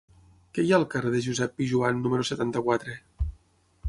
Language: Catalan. Què hi ha al carrer de Josep Pijoan número setanta-quatre?